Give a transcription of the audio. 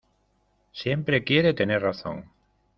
Siempre quiere tener razón.